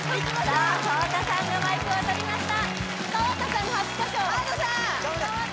さあ川田さんがマイクをとりました川田さん